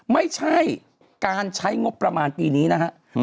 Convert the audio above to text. ไม่ใช่การใช้งบประมาณปีนี้นะฮะ